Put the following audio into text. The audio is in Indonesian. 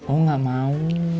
oh gak mau